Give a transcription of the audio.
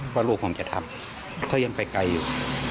ว่าลูกผมจะทำก็ยังไปไกลอยู่